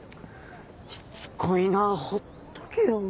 しつこいなほっとけよ。